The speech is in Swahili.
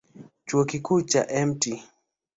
Chuo Kikuu cha Mt.